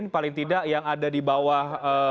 paling tidak yang ada di bawah